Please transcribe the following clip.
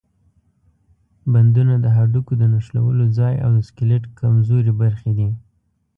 بندونه د هډوکو د نښلولو ځای او د سکلیټ کمزورې برخې دي.